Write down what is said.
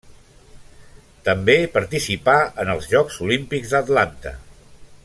També participà en els Jocs Olímpics d'Atlanta.